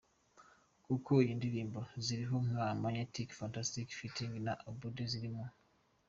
kuko nindirimbo ziyiriho nka Magnetic, Fantastic, Fitting na Obudde ziri mu.